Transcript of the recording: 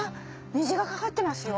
虹がかかってますよ！